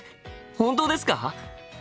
本当ですか！？